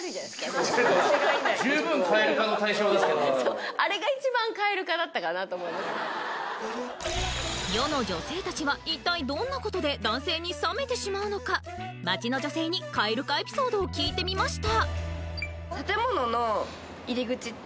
十分カエル化の対象ですけどね世の女性達は一体どんなことで男性に冷めてしまうのか街の女性にカエル化エピソードを聞いてみました・